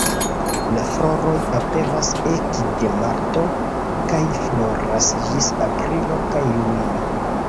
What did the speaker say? La floroj aperas ekde marto kaj floras ĝis aprilo kaj junio.